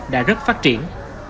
đã rất phát triển